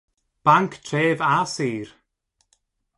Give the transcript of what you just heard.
Banc Tref a Sir!